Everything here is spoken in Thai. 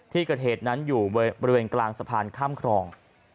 ที่เกิดเหตุนั้นอยู่บริเวณกลางสะพานข้ามครอง